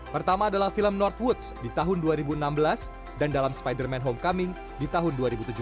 pertama adalah film northwoods di tahun dua ribu enam belas dan dalam spider man homecoming di tahun dua ribu tujuh belas